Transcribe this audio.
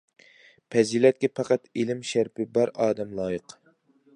پەزىلەتكە پەقەت ئىلىم شەرىپى بار ئادەم لايىق.